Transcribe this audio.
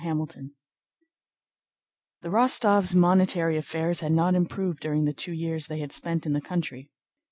CHAPTER XI The Rostóvs' monetary affairs had not improved during the two years they had spent in the country.